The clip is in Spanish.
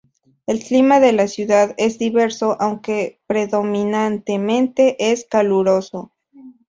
El clima de la ciudad es diverso, aunque predominantemente es caluroso.